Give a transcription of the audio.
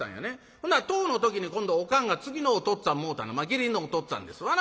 ほな１０の時に今度おかんが次のおとっつぁんもうたのまあ義理のおとっつぁんですわな。